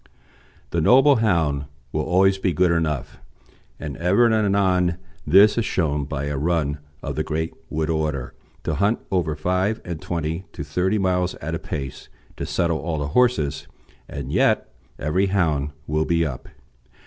The noble hound will always be good enough, and ever and anon this is shown by a run of the Great Wood order, to hunt over five and twenty to thirty miles at a pace to settle all the horses, and yet every hound will be up.